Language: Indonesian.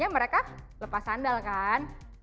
mereka lepas sandal kan